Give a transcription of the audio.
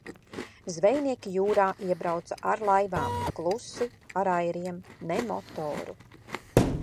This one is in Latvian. Zvejnieki jūrā iebrauca ar laivām, klusi ar airiem, ne motoru.